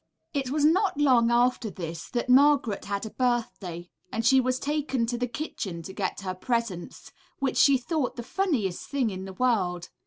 '' It was not long after this that Margaret had a birthday, and she was taken to the kitchen to get her presents, which she thought the funniest thing in the world.